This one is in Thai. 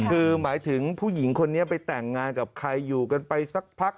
คือหมายถึงผู้หญิงคนนี้ไปแต่งงานกับใครอยู่กันไปสักพัก